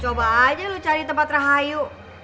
coba aja lu cari tempat rahayu